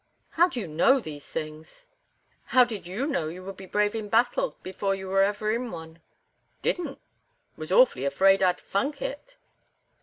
"How do you know these things?" "How did you know you would be brave in battle before you were ever in one?" "Didn't. Was awfully afraid I'd funk it."